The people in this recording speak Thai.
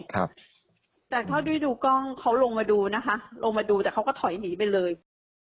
แต่เท่าที่ดูกล้องเขาลงมาดูนะคะลงมาดูแต่เขาก็ถอยหนีไปเลย